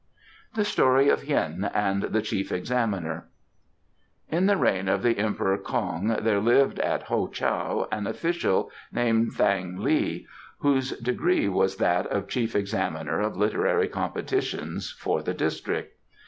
The Story of Hien and the Chief Examiner In the reign of the Emperor K'ong there lived at Ho Chow an official named Thang li, whose degree was that of Chief Examiner of Literary Competitions for the district.